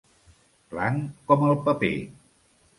Blanc com el paper.